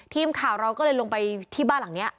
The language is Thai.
ทีมข่าวเราก็เลยลงไปที่บ้านหลังนี้